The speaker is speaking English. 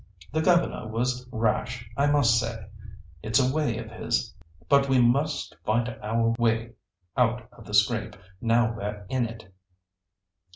The governor was rash, I must say. It's a way of his. But we must fight our way out of the scrape, now we're in it."